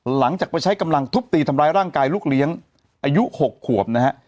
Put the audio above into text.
หลังจากไปใช้กำลังทุบตีทำร้ายร่างกายลูกเลี้ยงอายุ๖ขวบนะฮะ